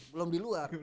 belum di luar